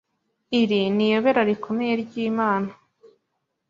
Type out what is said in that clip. Iri ni iyobera rikomeye ry’Imana.